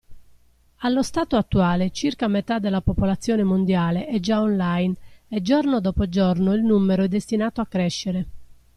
Allo stato attuale circa metà della popolazione mondiale è già online e giorno dopo giorno il numero è destinato a crescere.